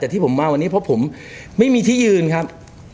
แต่ที่ผมมาวันนี้เพราะผมไม่มีที่ยืนครับ